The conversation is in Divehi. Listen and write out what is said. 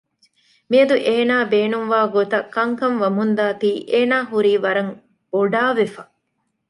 މިއަދު އޭނާ ބޭނުންވާ ގޮތަށް ކަންކަން ވަމުންދާތީ އޭނާ ހުރީ ވަރަށް ބޮޑާވެފަ